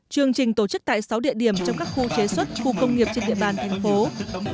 chương trình tổ chức tại sáu địa điểm trong các khu chế xuất khu công nghiệp trên địa bàn thành phố